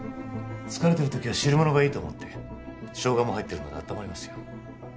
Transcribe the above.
疲れてる時は汁物がいいと思ってショウガも入ってるので温まりますよ